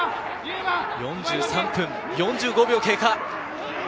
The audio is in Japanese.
４３分４５秒経過。